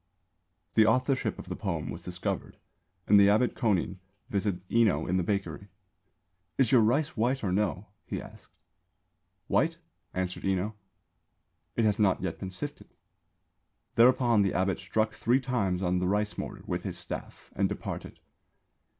_ The authorship of the poem was discovered and the abbot Kōnin visited Enō in the bakery. "Is your rice white or no?" he asked. "White?" answered Enō; "it has not yet been sifted." Thereupon the abbot struck three times on the rice mortar with his staff and departed.